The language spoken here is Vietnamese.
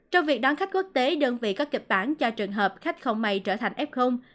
trong việc đón khách quốc tế đơn vị có kịp bản cho trường hợp khách không may trở thành ép không